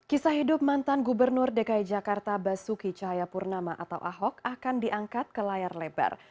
kisah hidup mantan gubernur dki jakarta basuki cahayapurnama atau ahok akan diangkat ke layar lebar